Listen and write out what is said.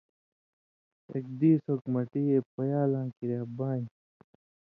اک دیس اوک مٹی اے پیالاں کریا بانیۡ